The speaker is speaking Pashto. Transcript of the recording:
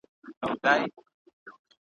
نه غزل سته په کتاب کي نه نغمه سته په رباب کي ,